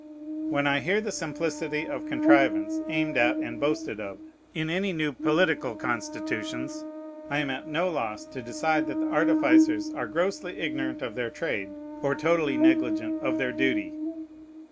When I hear the simplicity of contrivance aimed at and boasted of in any new political constitutions, I am at no loss to decide that the artificers are grossly ignorant of their trade or totally negligent of their duty.